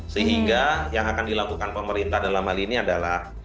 sehingga yang akan dilakukan pemerintah dalam hal ini adalah